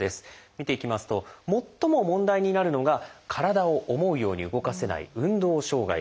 見ていきますと最も問題になるのが体を思うように動かせない「運動障害」です。